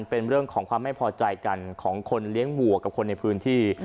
เป็นเรื่องของความไม่พอใจกันของคนเลี้ยงวัวกับคนในพื้นที่